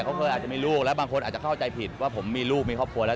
เขาเคยอาจจะมีลูกแล้วบางคนอาจจะเข้าใจผิดว่าผมมีลูกมีครอบครัวแล้ว